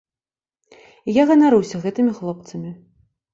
І я ганаруся гэтымі хлопцамі.